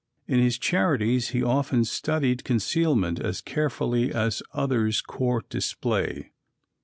In his charities he often studied concealment as carefully as others court display.